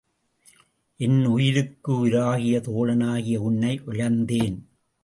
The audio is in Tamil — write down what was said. என் உயிர்க்கு உயிராகிய தோழனாகிய உன்னை இழந்தேன்.